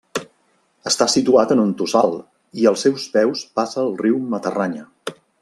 Està situat en un tossal, i als seus peus passa el riu Matarranya.